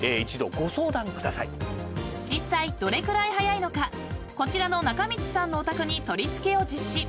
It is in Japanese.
［実際どれくらい早いのかこちらの中道さんのお宅に取り付けを実施］